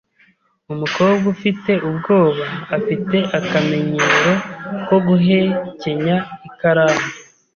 Umukobwa ufite ubwoba afite akamenyero ko guhekenya ikaramu ye.